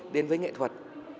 đến với nghệ thuật